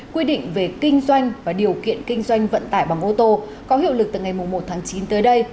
quy định về kinh doanh và điều kiện kinh doanh vận tải bằng ô tô có hiệu lực từ ngày một tháng chín tới đây